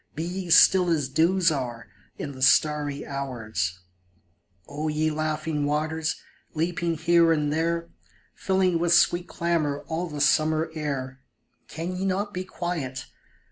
Be ye still as dews are in the starry hours ! O ye laughing waters, leaping here and there, Filling with sweet clamor all the summer air, Can ye not be quiet?